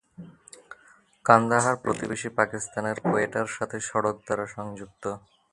কান্দাহার প্রতিবেশী পাকিস্তানের কোয়েটার সাথে সড়ক দ্বারা সংযুক্ত।